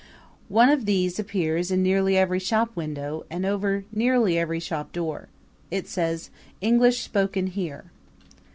One of these appears in nearly every shopwindow and over nearly every shopdoor. It says: English Spoken Here.